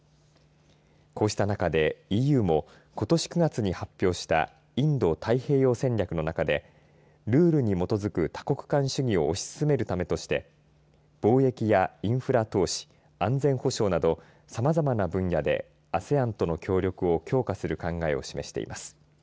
こうした中でＥＵもことし９月に発表したインド太平洋戦略の中でルールに基づく多国間主義を推し進めるためとして貿易やインフラ投資安全保障などさまざまな分野でＡＳＥＡＮとの協力を強化する考えを示しています。